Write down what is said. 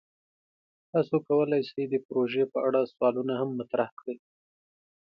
تاسو کولی شئ د پروژې په اړه سوالونه هم مطرح کړئ.